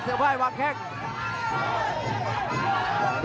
เสื้อป้ายวางแค่ง